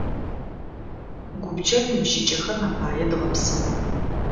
Гупчэр ныбжьыкӏэхэм апае дгъэпсыгъэ.